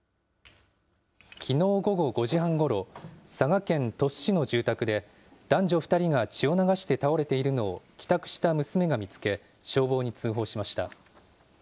きのう午後５時半ごろ、佐賀県鳥栖市の住宅で、男女２人が血を流して倒れているのを帰宅した娘が見つけ、消防に通報しました。